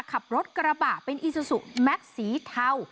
ขับรถกระบะเป็นอีซูซูแม็กซ์สีเทา